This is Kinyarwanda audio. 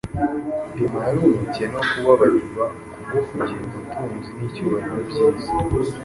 Dema yari umukene wo kubabarirwa kubwo kugira ubutunzi n’icyubahiro by’isi